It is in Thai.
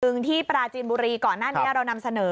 หนึ่งที่ปราจีนบุรีก่อนหน้านี้เรานำเสนอ